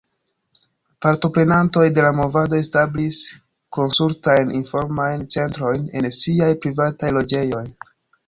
Partoprenantoj de la movado establis konsultajn-informajn centrojn en siaj privataj loĝejoj.